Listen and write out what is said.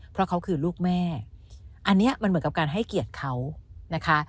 เพราะเขาคือลูกแม่อันนี้มันเหมือนกับการให้เกียรติเขานะคะ